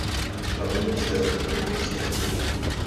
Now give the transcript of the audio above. Panuje zde podhorské klima.